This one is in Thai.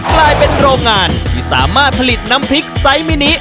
กลายเป็นโรงงานที่สามารถผลิตน้ำพริกไซส์มินิ